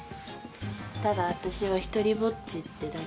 ただ私は独りぼっちってだけ。